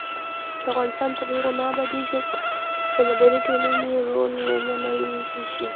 افغانستان تر هغو نه ابادیږي، ترڅو د مدني ټولنې رول ومنل نشي.